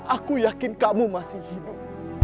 aku yakin kamu masih hidup